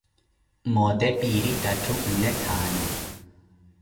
Mote, piiri, tatthu, nne, thaanu.